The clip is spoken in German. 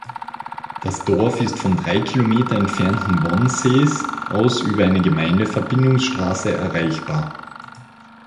Das Dorf ist vom drei Kilometer entfernten Wonsees aus über eine Gemeindeverbindungsstraße erreichbar.